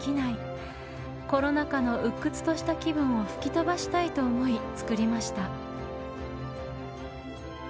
コロナ禍の鬱屈とした気分を吹き飛ばしたいと思い作りました。